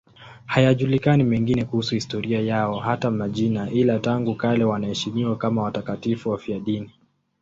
Hayajulikani mengine kuhusu historia yao, hata majina, ila tangu kale wanaheshimiwa kama watakatifu wafiadini.